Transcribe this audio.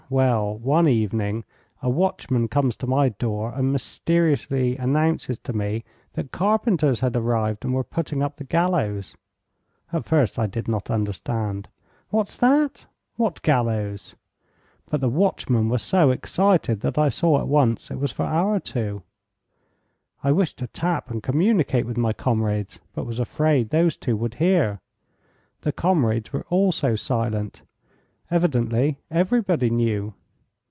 Well, one evening, a watchman comes to my door and mysteriously announces to me that carpenters had arrived, and were putting up the gallows. At first I did not understand. What's that? What gallows? But the watchman was so excited that I saw at once it was for our two. I wished to tap and communicate with my comrades, but was afraid those two would hear. The comrades were also silent. Evidently everybody knew.